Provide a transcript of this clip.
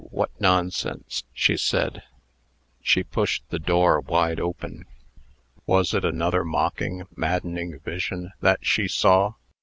what nonsense!" she said. She pushed the door wide open. Was it another mocking, maddening vision that she saw?